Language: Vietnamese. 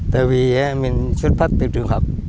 tại vì mình xuất phát từ trường học